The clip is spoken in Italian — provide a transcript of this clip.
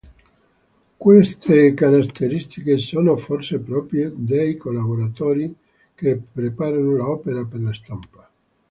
Queste caratteristiche sono forse proprie dei collaboratori che prepararono l'opera per la stampa.